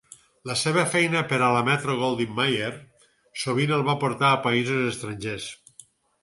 La seva feina per a la Metro-Goldwyn-Mayer sovint el va portar a països estrangers.